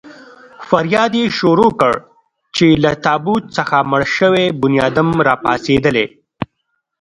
فریاد يې شروع کړ چې له تابوت څخه مړ شوی بنیادم را پاڅېدلی.